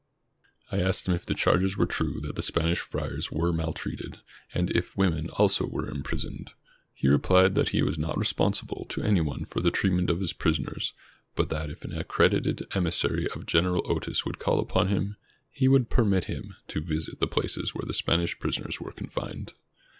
I asked him if the charges were true that the Spanish friars were maltreated, and if women, also, were imprisoned. He replied that he was not responsible to any one for the treatment of his pris 540 A VISIT TO AGUINALDO oners, but that if an accredited emissary of General Otis would call upon him, he would permit him to visit the places where the Spanish prisoners were confined.